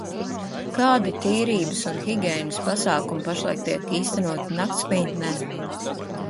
Kādi tīrības un higiēnas pasākumi pašlaik tiek īstenoti naktsmītnē?